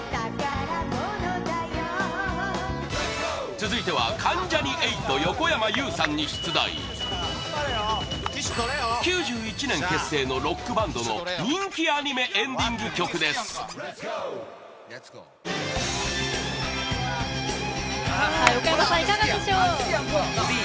続いては関ジャニ∞横山裕さんに出題９１年結成のロックバンドの人気アニメエンディング曲です横山さん、いかがでしょう。